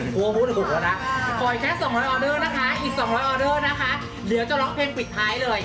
โปรดออเดอร์นะคะเหลือจะร้องเพลงปิดท้ายเลย